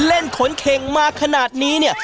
เล่นขนเข่งมาขนาดนี้เนี่ย